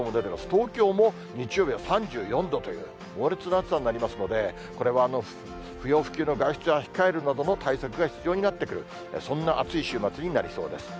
東京も日曜日は３４度という、猛烈な暑さになりますので、これは不要不急の外出は控えるなどの対策が必要になってくる、そんな暑い週末になりそうです。